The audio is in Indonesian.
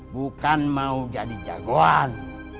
bukan mau jadi jagoan